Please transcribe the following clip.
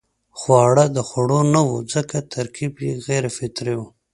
خواړه د خوړو نه وو ځکه ترکیب غیر فطري وو.